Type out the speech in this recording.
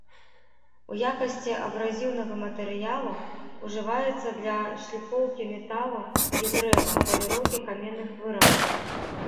У якасці абразіўнага матэрыялу ўжываецца для шліфоўкі металу і дрэва, паліроўкі каменных вырабаў.